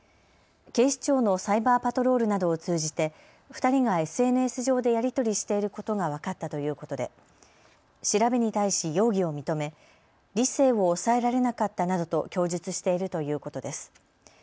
警視庁のサイバーパトロールなどを通じて２人がＳＮＳ上でやり取りしていることが分かったということで調べに対し容疑を認め理性を抑えられなかったなどと供述しているということです。